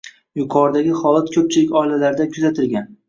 Yo`qoridagi holat ko`pchilik oilalarda kuzatilgan